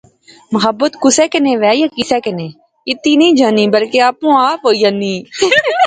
محبت کُسے کنے وہے یا کسے کنےکتی نی جانی بلکہ آپو آپ ہوئی اینی